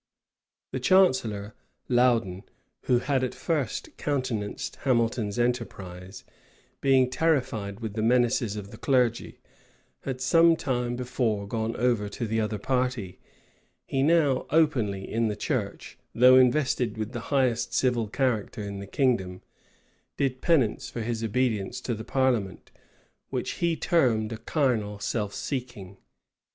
The chancellor, Loudon, who had at first countenanced Hamilton's enterprise, being terrified with the menaces of the clergy, had some time before gone over to the other party; and he now openly in the church, though invested with the highest civil character in the kingdom, did penance for his obedience to the parliament, which he termed a "carnal self seeking."